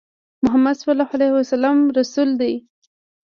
محمد صلی الله عليه وسلم د الله رسول دی